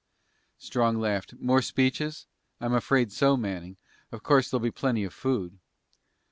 Strong laughed. "More speeches? I'm afraid so, Manning. Of course there'll be plenty of food."